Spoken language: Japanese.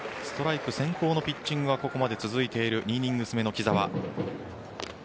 ストライク先行のピッチングがここまで続いている２イニングス目の木澤。